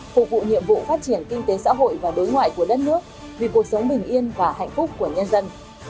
phục vụ nhiệm vụ phát triển kinh tế xã hội và đối ngoại của đất nước vì cuộc sống bình yên và hạnh phúc của nhân dân